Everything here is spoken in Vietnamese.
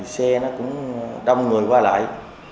xe nó cũng đông người qua lại